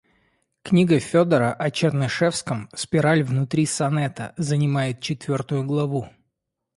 Книга Федора о Чернышевском, - спираль внутри сонета, - занимает четвертую главу.